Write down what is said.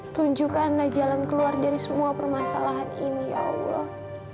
tunjukkanlah jalan keluar dari semua permasalahan ini ya allah